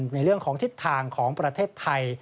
ในเรื่องของทิศทางของประเทศไทย